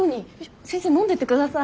先生飲んでってください。